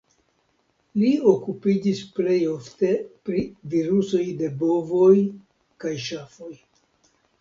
Li okupiĝis plej ofte pri virusoj de bovoj kaj ŝafoj.